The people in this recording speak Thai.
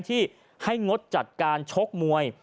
ที่ให้งดจัดการชกมวย